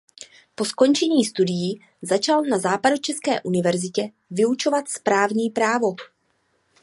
Po skončení studií začal na Západočeské univerzitě vyučovat správní právo.